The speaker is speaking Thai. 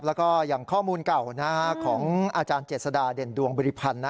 แล้วก็อย่างข้อมูลเก่าของอาจารย์เจษฎาเด่นดวงบริพันธ์